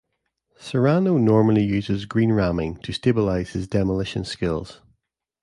Cyrano normally uses green ramming to stabilize his demolition skills.